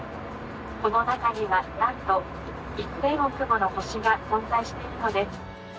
この中にはなんと一千億もの星が存在しているのです。